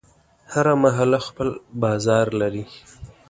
هره محله خپل بازار لري.